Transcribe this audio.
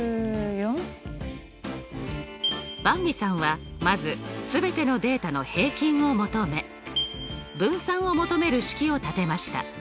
ばんびさんはまず全てのデータの平均を求め分散を求める式を立てました。